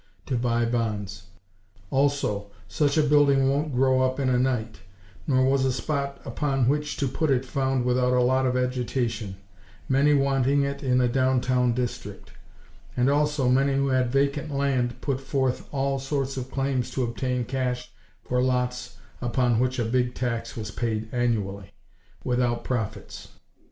to buy bonds. Also, such a building won't grow up in a night; nor was a spot upon which to put it found without a lot of agitation; many wanting it in a down town district; and also, many who had vacant land put forth all sorts of claims to obtain cash for lots upon which a big tax was paid annually, without profits.